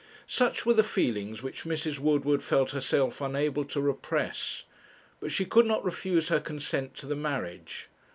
Such were the feelings which Mrs. Woodward felt herself unable to repress; but she could not refuse her consent to the marriage.